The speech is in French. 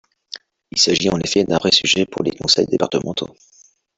Il s’agit en effet d’un vrai sujet pour les conseils départementaux.